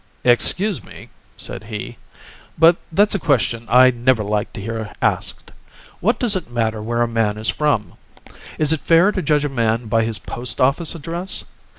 "Excuse me," said he, "but that's a question I never like to hear asked. What does it matter where a man is from? Is it fair to judge a man by his post office address?